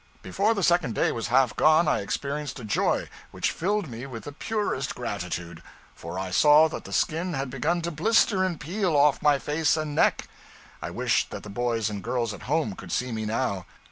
Before the second day was half gone I experienced a joy which filled me with the purest gratitude; for I saw that the skin had begun to blister and peel off my face and neck. I wished that the boys and girls at home could see me now.